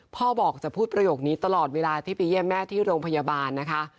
พ่อบอกจะพูดประโยคนี้ตลอดเวลาที่ไปเยี่ยมแม่ที่โรงพยาบาลนะคะ